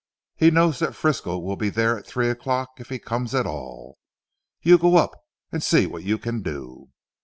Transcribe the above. He knows that Frisco will be there at three o'clock if he comes at all. You go up and see what you can do."